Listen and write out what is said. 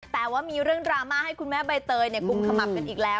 แต่ว่ามีเรื่องดราม่าให้คุณแม่ใบเตยกุมขมับกันอีกแล้ว